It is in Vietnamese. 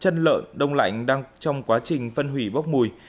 chân lợn đông lạnh đang trong quá trình phân hủy bốc mùi